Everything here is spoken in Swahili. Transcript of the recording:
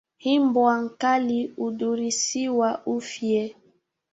Imbwa nkali udirisiwa ufie